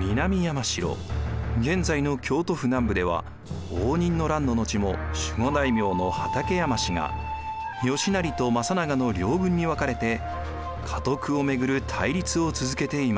南山城現在の京都府南部では応仁の乱の後も守護大名の畠山氏が義就と政長の両軍に分かれて家督をめぐる対立を続けていました。